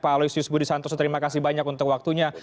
pak aloysius budi santoso terima kasih banyak untuk waktunya